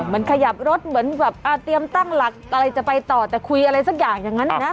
มันขยับรถเหมือนแบบเตรียมตั้งหลักอะไรจะไปต่อแต่คุยอะไรสักอย่างอย่างนั้นนะ